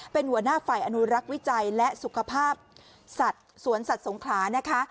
เป็นหัวหน้าฝ่ายอนุรักษ์วิจัยและสุขภาพสัตว์สวนสัตว์สงขลานะคะ